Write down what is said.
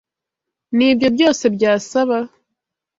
Nibyo byose byasaba?